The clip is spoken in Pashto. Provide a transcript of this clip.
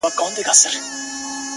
د ښایستونو خدایه سر ټيټول تاته نه وه ـ